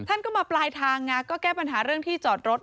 ท่านก็มาปลายทางไงก็แก้ปัญหาเรื่องที่จอดรถ